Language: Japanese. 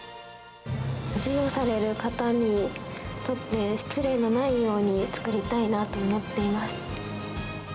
授与される方にとって失礼のないようにつくりたいなと思っています。